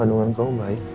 kandungan kamu baik